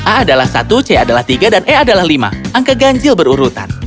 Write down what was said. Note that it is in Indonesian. a adalah satu c adalah tiga dan e adalah lima angka ganjil berurutan